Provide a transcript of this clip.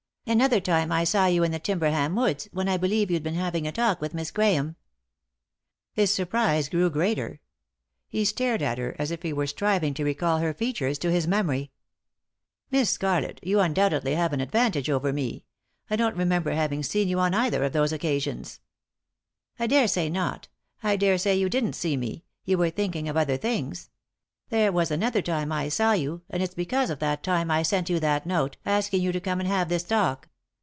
"Another time I saw you in the Timberham woods, when, I believe, you'd been having a talk with Miss Grahame." , His surprise grew greater. He stared at her as if he were striving to recall her features to his memory, " Miss Scarlett, you undoubtedly have an advantage 236 ;«y?e.c.V GOOglC THE INTERRUPTED KISS over me; I don't remember having seen yon on either of those occasions." " I daresay not ; I daresay you didn't see me ; you were thinking of other things. There was another time I saw yon, and it's because of that time I sent you that note, asking you to come and have this talk."